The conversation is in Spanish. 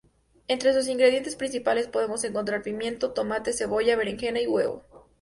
Entre sus ingredientes principales podemos encontrar pimiento, tomate, cebolla, berenjena y huevo.